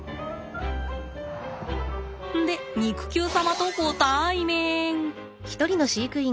んで肉球様とご対面。